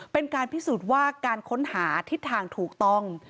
เป็นการพิสูจน์ว่าการค้นหาทิศทางถูกต้อง